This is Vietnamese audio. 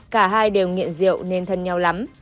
cả hai đều nghiện rượu nên thân nhau lắm